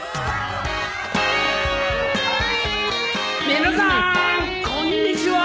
皆さんこんにちは！